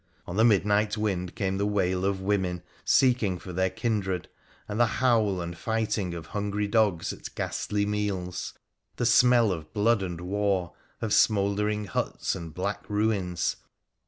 On the midnight wind came the wail of women seeking for their kindred, and the howl and fighting of hungry dogs at ghastly meals, the smell of blood and war — of smouldering huts and black ruins